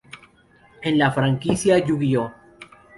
En la franquicia Yu-Gi-Oh!